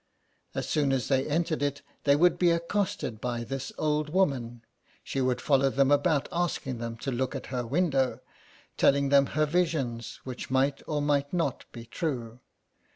As soon as they entered it they would be accosted by this old woman ; she would follow them about asking them to look at her window, telling them her visions, which might or might not be true.